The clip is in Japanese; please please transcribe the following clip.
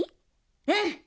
うん！